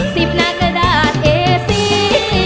สิบหน้ากระดาษเอซี